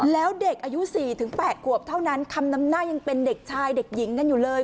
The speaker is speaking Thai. แล้วเด็กอายุ๔๘ขวบเท่านั้นคำน้ำหน้ายังเป็นเด็กชายเด็กหญิงกันอยู่เลย